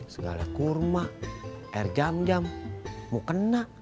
segala kurma air jam jam mau kena